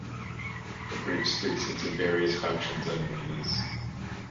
The group split into various factions over the years.